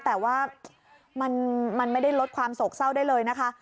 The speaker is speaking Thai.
แต่ว่ามันไม่ได้ลดความโศกเศร้าได้เลยนะคะ